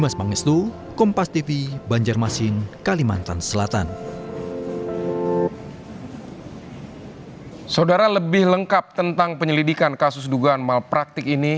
saudara lebih lengkap tentang penyelidikan kasus dugaan malpraktik ini